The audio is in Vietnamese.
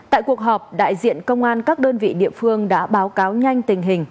tại cuộc họp đại diện công an các đơn vị địa phương đã báo cáo nhanh tình hình